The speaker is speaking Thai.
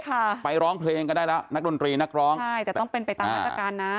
ค่ะไปร้องเพลงก็ได้แล้วนักดนตรีนักร้องใช่แต่ต้องเป็นไปตามมาตรการนะ